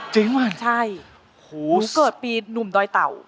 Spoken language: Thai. จริงมั้ยใช่หนูเกิดปีหนุ่มดอยเต่า